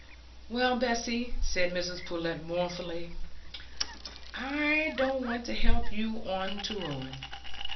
"Well, Bessy," said Mrs Pullet, mournfully, "I don't want to help you on to ruin.